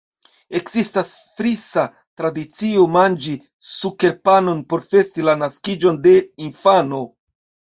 Ekzistas frisa tradicio manĝi sukerpanon por festi la naskiĝon de infano.